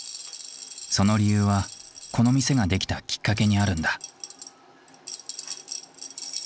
その理由はこの店ができたきっかけにあるんだ。